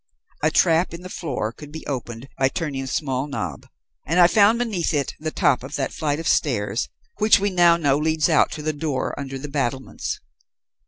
A trap in the floor could be opened by turning a small knob, and I found beneath it the top of that flight of stairs which we now know leads out to the door under the battlements.